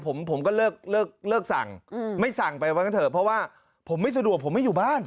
ผมผมก็เลิกเลิกสั่งไม่สั่งไปว่ากันเถอะเพราะว่าผมไม่สะดวกผมไม่อยู่บ้าน